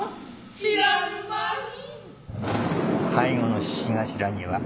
散らぬ間に。